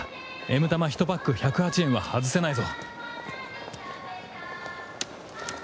Ｍ 玉１パック１０８円は外せないぞ